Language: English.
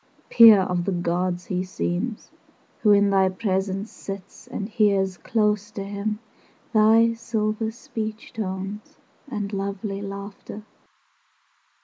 VI Peer of the gods he seems, Who in thy presence Sits and hears close to him Thy silver speech tones And lovely laughter.